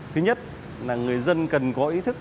thứ nhất là người dân cần có ý thức